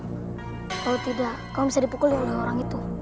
kalau tidak kamu bisa dipukuli oleh orang itu